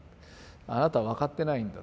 あなた分かってないんだ。